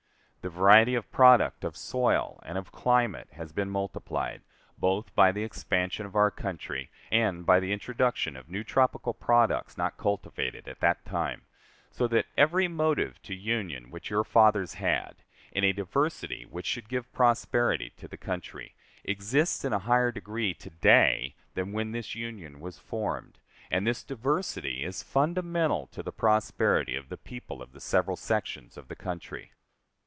The variety of product of soil and of climate has been multiplied, both by the expansion of our country and by the introduction of new tropical products not cultivated at that time; so that every motive to union which your fathers had, in a diversity which should give prosperity to the country, exists in a higher degree to day than when this Union was formed, and this diversity is fundamental to the prosperity of the people of the several sections of the country.